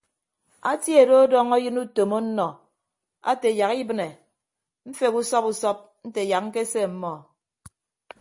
Atie do ọdọñ ayịn utom ọnnọ ate yak ibịne mfeghe usọp usọp nte yak ñkese ọmmọ.